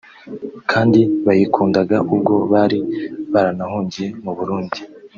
kandi bayikundaga ubwo bari barahungiye mu Burundi